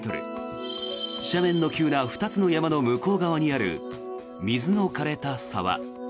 斜面の急な２つの山の向こう側にある水の枯れた沢。